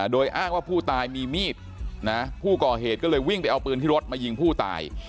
โดยอ้างว่าผู้ตายมีมีดนะผู้ก่อเหตุก็เลยวิ่งไปเอาปืนที่รถมายิงผู้ตาย